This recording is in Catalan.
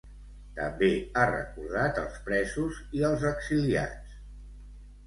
També ha recordat els presos i els exiliats.